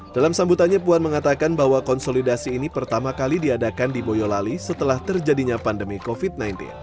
dalam sambutannya puan mengatakan bahwa konsolidasi ini pertama kali diadakan di boyolali setelah terjadinya pandemi covid sembilan belas